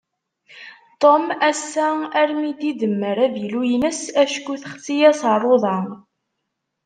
Tom assa armi d-idemmer avilu-ines, acku texsi-yas rruḍa.